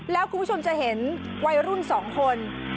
แล้วคุณผู้ชมจะเห็นวัยรุ่น๒คน